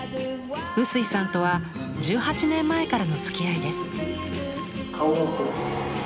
臼井さんとは１８年前からのつきあいです。